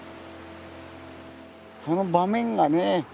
その場面がね